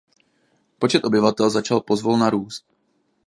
Počet obyvatel začal pozvolna růst.